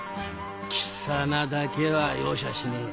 貴様だけは容赦しねえ。